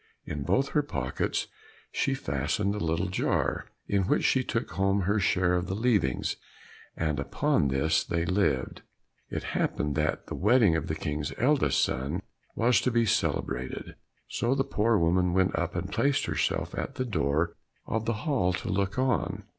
In both her pockets she fastened a little jar, in which she took home her share of the leavings, and upon this they lived. It happened that the wedding of the King's eldest son was to be celebrated, so the poor woman went up and placed herself by the door of the hall to look on.